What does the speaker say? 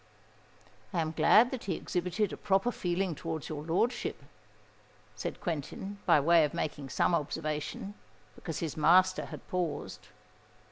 "I am glad that he exhibited a proper feeling towards your lordship," said Quentin, by way of making some observation, because his master had paused.